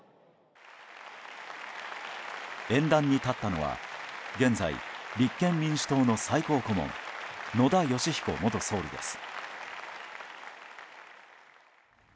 演壇に立ったのは現在、立憲民主党の最高顧問野田佳彦元総理です。